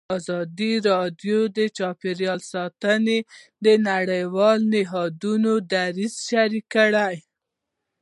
ازادي راډیو د چاپیریال ساتنه د نړیوالو نهادونو دریځ شریک کړی.